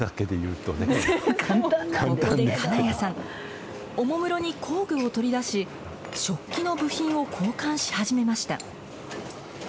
金谷さん、おもむろに工具を取り出し、織機の部品を交換し始めました。